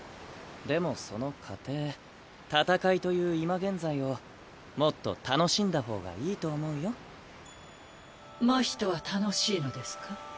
でもその過程戦いという今現在をもっと楽しんだ方がいいと思うよ真人は楽しいのですか？